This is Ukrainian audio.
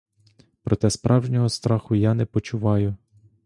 Проте справжнього страху я не почуваю.